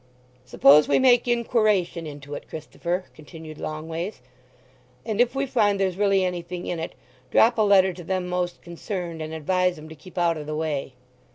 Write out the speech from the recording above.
"Suppose we make inquiration into it, Christopher," continued Longways; "and if we find there's really anything in it, drop a letter to them most concerned, and advise 'em to keep out of the way?"